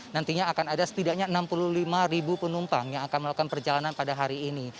nantinya akan ada setidaknya enam puluh lima ribu penumpang yang akan melakukan perjalanan pada hari ini